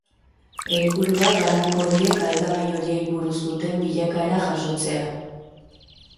Helburua, banako horiek aldagai horiei buruz duten bilakaera jasotzea.